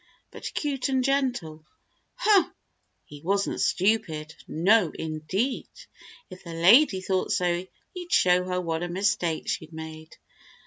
but cute and gentle. Huh! He wasn't stupid! No, indeed! If the lady thought so he'd show her what a mistake she'd made.